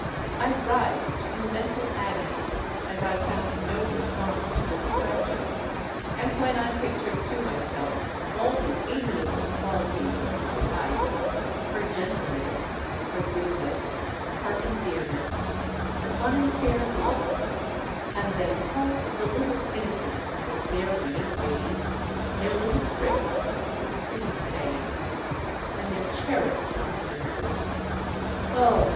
I writhed in mental agony, as I found no response to this question; and when I pictured to myself all the amiable qualities of my wife—her gentleness—her goodness—her endearments—her unimpaired love,—and then thought of the little innocents with their winning ways, their little tricks, their pretty sayings, and their cherub countenances,——Oh!